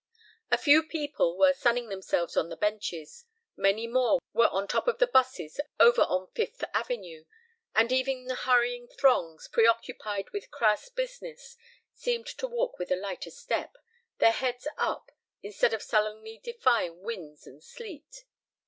A few people were sunning themselves on the benches, many more were on top of the busses over on Fifth Avenue, and even the hurrying throngs, preoccupied with crass business, seemed to walk with a lighter step, their heads up, instead of sullenly defying winds and sleet.